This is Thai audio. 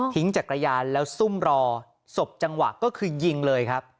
จักรยานแล้วซุ่มรอศพจังหวะก็คือยิงเลยครับ